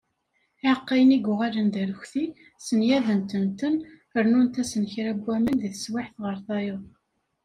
Iεeqqayen i yuγalen d arekti, senγadent-ten, rennunt-asen kra n waman deg teswiεet γer tayeḍ.